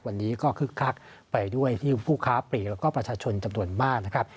วันนี้ก็คึกคักไปด้วยที่ผู้ค้าปลีกแล้วก็ประชาชนจำนวนมากนะครับ